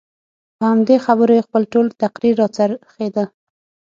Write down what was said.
په همدې خبرو یې خپل ټول تقریر راڅرخېده.